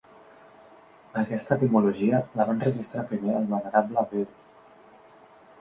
Aquesta etimologia la va enregistrar primer el Venerable Bede.